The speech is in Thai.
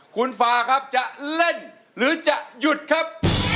คุณฟาครับจะเล่นหรือจะหยุดครับ